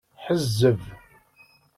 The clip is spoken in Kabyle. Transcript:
Ḥezzeb.